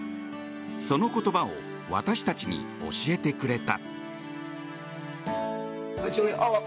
その言葉を私たちに教えてくれた。